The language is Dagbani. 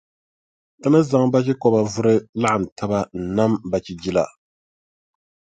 Ti ni zaŋ bachikɔba vuri laɣim taba n-nam bachijila.